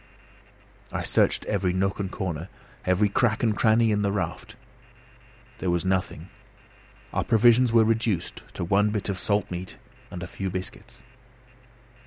I searched every nook and corner, every crack and cranny in the raft. There was nothing. Our provisions were reduced to one bit of salt meat and a few biscuits.